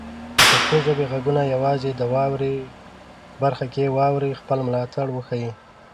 د پښتو ژبې غږونه یوازې د "واورئ" برخه کې واورئ، خپل ملاتړ وښایئ.